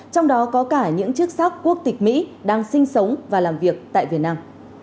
trong đó có cả những chức sắc quốc tịch mỹ đang sinh sống và làm việc tại việt nam